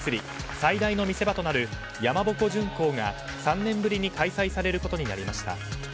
最大の見せ場となる山鉾巡行が３年ぶりに開催されることになりました。